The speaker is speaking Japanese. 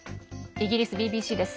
イギリスＢＢＣです。